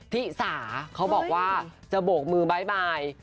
ที่สาเขาบอกว่าจะโบกมือบ๊ายบาย